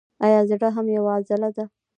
ایا زړه هم یوه عضله ده